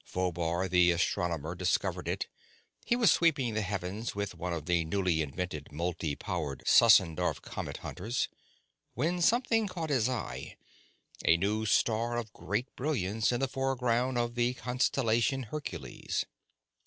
Phobar the astronomer discovered it. He was sweeping the heavens with one of the newly invented multi powered Sussendorf comet hunters when something caught his eye a new star of great brilliance in the foreground of the constellation Hercules.